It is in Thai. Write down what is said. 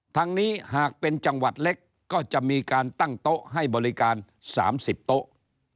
ทั้งนี้หากเป็นจังหวัดเล็กก็จะมีการตั้งโต๊ะให้บริการ๓๐โต๊ะ